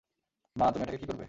মা, তুমি এটাকে কী করবে?